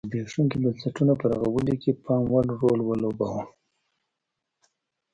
زبېښونکي بنسټونه په رغولو کې پاموړ رول ولوباوه.